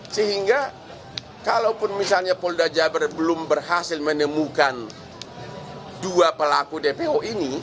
sehingga kalaupun misalnya polda jabar belum berhasil menemukan dua pelaku dpo ini